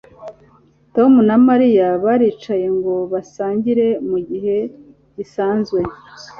Tom na Mariya baricaye ngo basangire mugihe gisanzwe